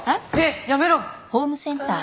やめろ！